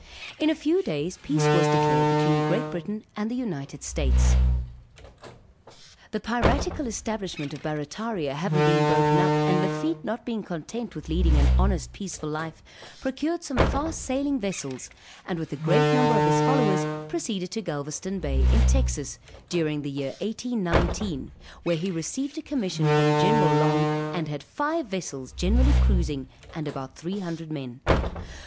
In a few days peace was declared between Great Britain and the United States. The piratical establishment of Barrataria having been broken up and Lafitte not being content with leading an honest, peaceful life, procured some fast sailing vessels, and with a great number of his followers, proceeded to Galvezton Bay, in Texas, during the year 1819; where he received a commission from General Long; and had five vessels generally cruising and about 300 men.